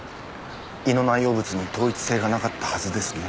胃の内容物に統一性がなかったはずですね。